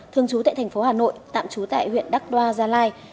thành phố hà nội tạm trú tại huyện đắc đoa gia lai